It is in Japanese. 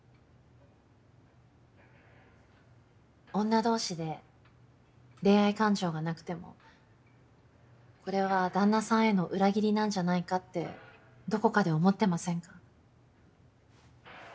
女同士で恋愛感情がなくてもこれは旦那さんへの裏切りなんじゃないかってどこかで思ってませんか？